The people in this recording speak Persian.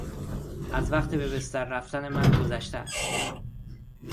از وقت به بستر رفتن من گذشته است.